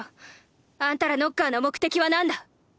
あんたらノッカーの目的は何だ？